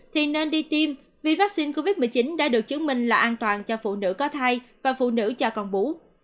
thì nên đi tiêm vì vaccine covid một mươi chín đã được chứng minh là an toàn cho phụ nữ có thai và phụ nữ cha con bú